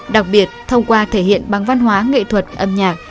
đặc biệt thông qua thể hiện bằng văn hóa nghệ thuật âm nhạc